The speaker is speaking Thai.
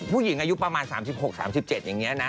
ผู้หญิงอายุประมาณ๓๖๓๗อย่างนี้นะ